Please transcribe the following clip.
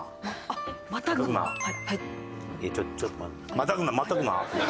またぐなまたぐな。